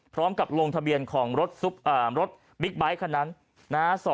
พร้อมกับลงทะเบียนของรถบิ๊กไบท์คนนั้นนะฮะ